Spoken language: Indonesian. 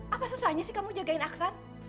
apa susahnya sih kamu jagain aksan